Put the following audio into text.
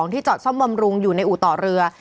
ที่จอดซ่อมบำรุงอยู่ในอู่ต่อเรือ